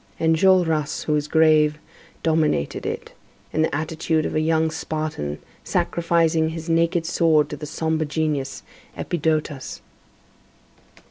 Enjolras, who was grave, dominated it, in the attitude of a young Spartan sacrificing his naked sword to the sombre genius, Epidotas.